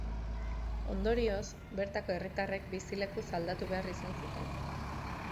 Ondorioz, bertako herritarrek bizilekuz aldatu behar izan zuten.